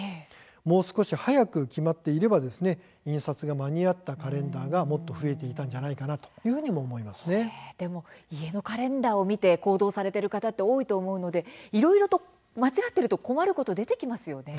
もう少し早く決まっていれば印刷が間に合ったカレンダーがもっと増えていたんじゃないかでも家のカレンダーを見て行動されている方多いと思うので間違っているといろいろ困ることが出てきますよね。